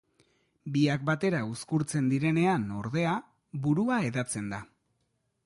Biak batera uzkurtzen direnean, ordea, burua hedatzen da.